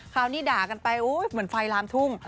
คราวนี้ด่ากันไปเหมือนไฟลามทุ่ง